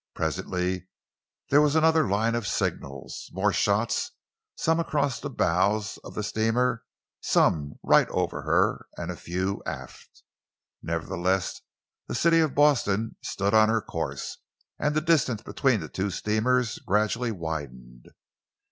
Presently there was another line of signals, more shots, some across the bows of the steamer, some right over her, a few aft. Nevertheless, the City of Boston stood on her course, and the distance between the two steamers gradually widened.